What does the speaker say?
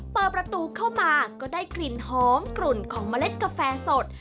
เปิดประตูเข้ามาก็ได้กลิ่นหอมกลุ่นของเมล็ดกาแฟสด